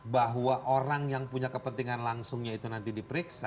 bahwa orang yang punya kepentingan langsungnya itu nanti diperiksa